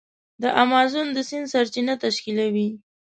د امازون د سیند سرچینه تشکیلوي.